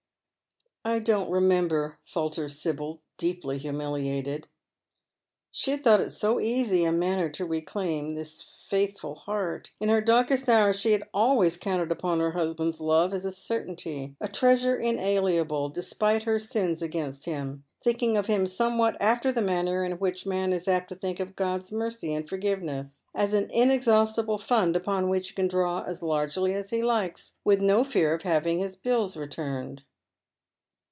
" I don't remember," falters Sibyl, deeply humiliated. She had thought it so easy a manner to reclaim this faithful heart. In her darkest hour she had always counted upon her husband's love as a certainty, a treasure inalienable, despite her sins against him, thinking of him somewhat after the manner in which man is apt to think of God's mercy and forgiveness, as an inexlwius tible fund, upon which he can draw as largely as he likes, with no fear of having his bills returned.